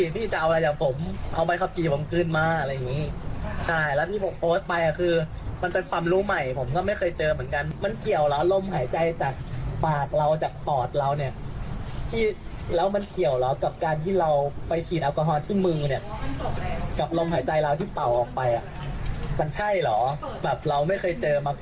เปล่าออกไปมันใช่เหรอแบบเราไม่เคยเจอมาก่อนเลย